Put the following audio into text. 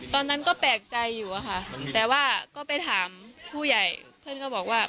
ตอนนั้นก็แปลกใจอยู่อะค่ะแต่ว่าก็ไปถามผู้ใหญ่เพื่อนก็บอกว่า